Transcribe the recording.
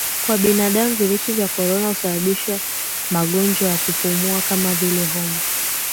Kwa binadamu virusi vya korona husababisha magonjwa ya kupumua kama vile homa